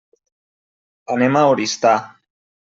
Anem a Oristà.